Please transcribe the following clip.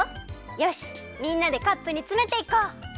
よしみんなでカップにつめていこう！